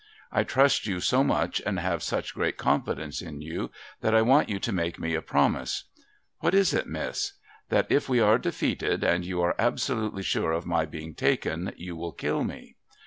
I trust you so much, and have such great confidence in you, that I want you to make me a promise.' ' What is it, Miss ?'' That if we are defeated, and you are absolutely sure of my being taken, you will kill me.'